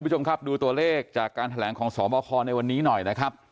คุณผู้ชมครับดูตัวเลขจากการแถลงของสบคในวันนี้หน่อยนะครับ